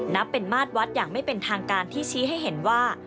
นับเป็นมาตรวัดอย่างไม่เป็นทางการที่ชี้ให้เห็นว่า